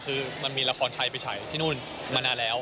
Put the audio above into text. คือมันมีละครไทยไปฉายที่นู่นมานานแล้ว